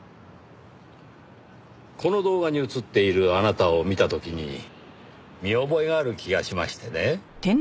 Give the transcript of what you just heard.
この動画に映っているあなたを見た時に見覚えがある気がしましてね。